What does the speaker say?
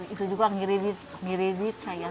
itu juga ngiridit saya